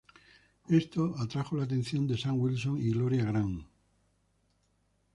Esto atrajo la atención de Sam Wilson y Gloria Grant.